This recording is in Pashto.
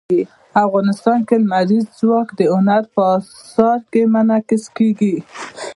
افغانستان کې لمریز ځواک د هنر په اثار کې منعکس کېږي.